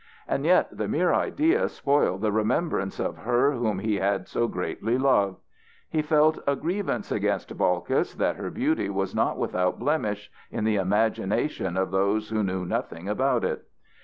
And yet the mere idea spoiled the remembrance of her whom he had so greatly loved. He felt a grievance against Balkis that her beauty was not without blemish in the imagination of those who knew nothing about it.